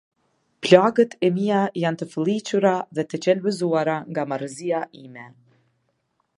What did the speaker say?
Plagët e mia janë të fëlliqura dhe të qelbëzuara nga marrëzia ime.